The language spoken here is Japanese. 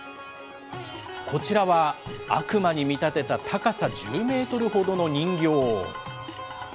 こちらは、悪魔に見立てた高さ１０メートルほどの人形。